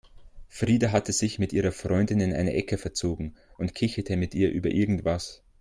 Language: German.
Frida hatte sich mit ihrer Freundin in eine Ecke verzogen und kicherte mit ihr über irgendwas.